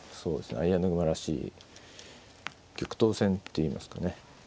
相穴熊らしい玉頭戦っていいますかね。